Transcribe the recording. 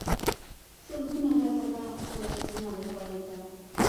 سلګونه ګزه به پر سينه وښويېد.